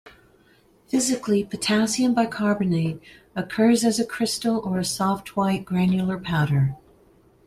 Physically, potassium bicarbonate occurs as a crystal or a soft white granular powder.